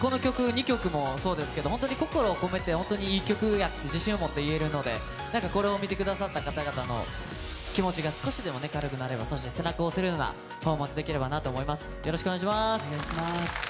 ２曲もそうですけど心を込めて、いい曲だと自信を持っていえるのでこれを見てくださった方々の気持ちが少しでも軽くなれば、そして背中を押せるようなパフォーマンスができればなと思います。